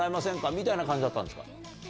みたいな感じだったんですか？